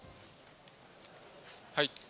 はい。